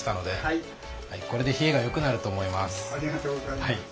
ありがとうございます。